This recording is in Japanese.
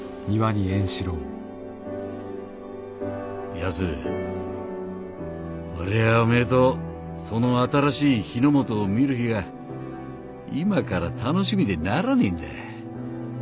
「やすおりゃあおめえとその新しい日の本を見る日が今から楽しみでならねぇんだ。